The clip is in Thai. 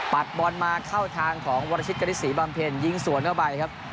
บอลมาเข้าทางของวรชิตกฤษศรีบำเพ็ญยิงสวนเข้าไปครับ